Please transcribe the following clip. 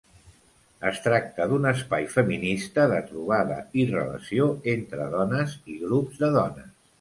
Es tracta d'un espai feminista de trobada i relació entre dones i grups de dones.